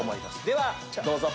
ではどうぞ。